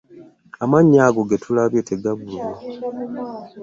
Amannya ago ge tulabye tegabbulwa.